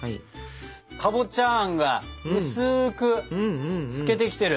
かぼちゃあんが薄く透けてきてる。